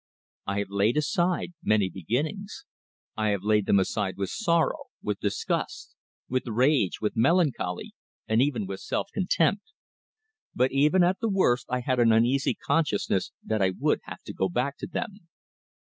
I have laid aside many beginnings. I have laid them aside with sorrow, with disgust, with rage, with melancholy and even with self contempt; but even at the worst I had an uneasy consciousness that I would have to go back to them.